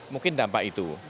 mungkin dampak itu